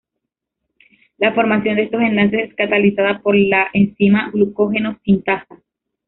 La formación de estos enlaces es catalizada por la enzima glucógeno sintasa.